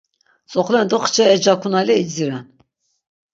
Tzoxlendo xçe ejakunale idziren.